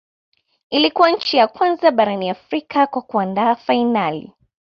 Ilikuwa nchi ya kwanza barani Afrika kwa kuandaa fainali